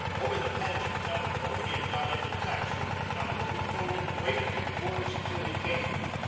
Over the Paget telephone he had got into touch with Macdonald who told him to wait at headquarters until he came.